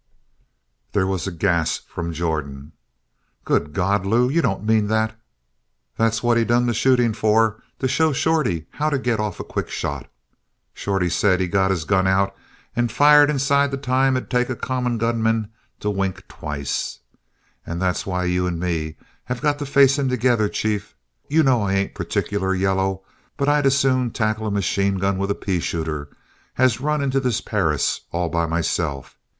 There was a gasp from Jordan. "Good God, Lew! You don't mean that!" "That's what he done the shooting for to show Shorty how to get off a quick shot. Shorty says he got his gun out and fired inside the time it'd take a common gun man to wink twice. And that's why you and me have got to face him together, chief. You know I ain't particular yaller. But I'd as soon tackle a machine gun with a pea shooter as run into this Perris all by myself.